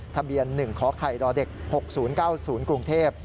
ทะเบียน๑ขไข่ดเด็ก๖๐๙๐กรุงเทพฯ